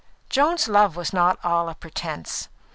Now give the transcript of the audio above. Joan's love was not all a pretence.